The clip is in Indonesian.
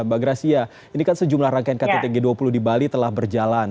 mbak gracia ini kan sejumlah rangkaian ktt g dua puluh di bali telah berjalan